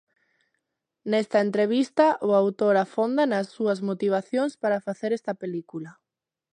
Nesta entrevista, o autor afonda nas súas motivacións para facer esta película.